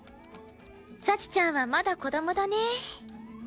幸ちゃんはまだ子供だね。